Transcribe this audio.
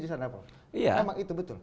di sana emang itu betul